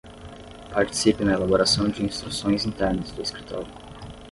Participe na elaboração de instruções internas do Escritório.